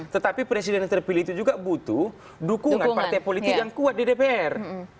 tetapi presiden yang terpilih itu juga butuh dukungan partai politik yang kuat di dpr